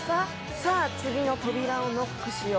「さあ次の扉をノックしよう」